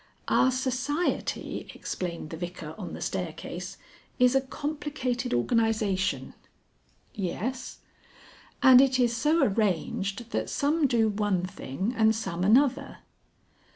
"Our society," explained the Vicar on the staircase, "is a complicated organisation." "Yes?" "And it is so arranged that some do one thing and some another."